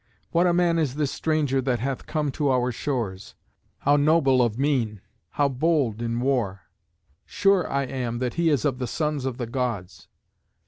What a man is this stranger that hath come to our shores! How noble of mien! How bold in war! Sure I am that he is of the sons of the Gods.